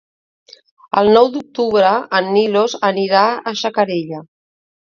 El nou d'octubre en Milos anirà a Xacarella.